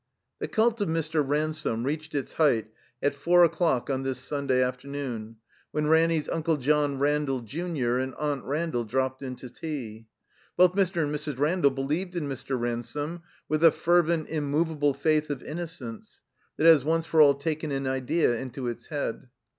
The cult of Mr. Ransome reached its height at four o'clock on this Sunday afternoon, when Ranny's Unde John Randall (Jtmior) and Aunt Randall dropped in to tea. Both Mr. and Mrs. Randall be lieved in Mr. Ransome with the fervent, immovable faith of innocence that has once for all taken an idea into its head.